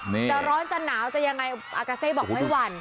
แต่ร้อนจะหนอจะอย่างไรอากาเซบอกไม่หวั่น